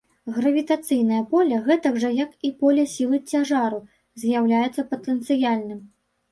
Гравітацыйнае поле, гэтак жа як і поле сілы цяжару, з'яўляецца патэнцыяльным.